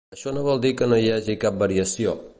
Això no vol dir que no hi hagi cap variació.